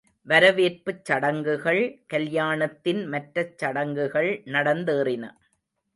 வரவேற்புச் சடங்குகள், கல்யாணத்தின் மற்றச் சடங்குகள் நடந்தேறின.